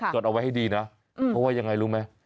จดเอาไว้ให้ดีนะเพราะว่ายังไงรู้ไหม